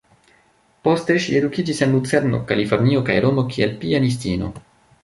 Poste ŝi edukiĝis en Lucerno, Kalifornio kaj Romo kiel pianistino.